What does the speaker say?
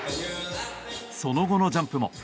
その後のジャンプも。